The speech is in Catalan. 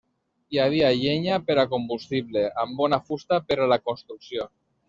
Hi havia llenya per a combustible, amb bona fusta per a la construcció.